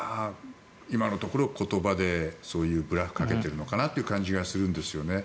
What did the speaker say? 今のところ言葉でそういうブラフをかけている感じがするんですよね。